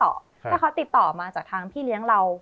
ถ้าเขาติดต่อมาจากทางพี่เลี้ยงเรา